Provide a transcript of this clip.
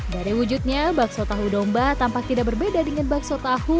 dari wujudnya bakso tahu domba tampak tidak berbeda dengan bakso tahu